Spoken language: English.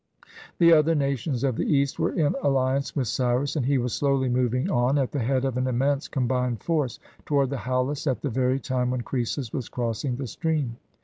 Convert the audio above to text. The other nations of the East were in alliance with Cyrus, and he was slowly moving on, at the head of an immense combined force, toward the Halys, at the very time when Croesus was crossing the stream.